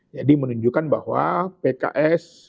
jadi menunjukkan bahwa pks